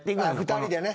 ２人でね。